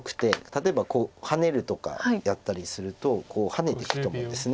例えばこうハネるとかやったりするとハネていくと思うんです。